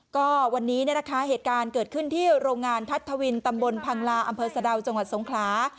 ก็วันนี้นะคะเหตุการณ์เกิดขึ้นที่โรงงานธัทธวินตำบลพังลาอซดัวจสงขลา